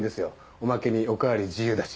おまけにおかわり自由だし。